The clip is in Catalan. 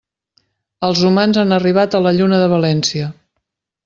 Els humans han arribat a la Lluna de València.